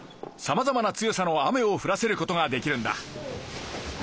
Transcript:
さまざまな強さの雨を降らせる事ができるんだ。